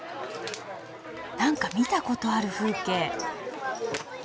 何か見たことある風景。